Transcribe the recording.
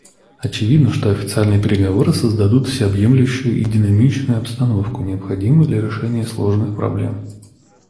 Очевидно, что официальные переговоры создадут всеобъемлющую и динамичную обстановку, необходимую для разрешения сложных проблем.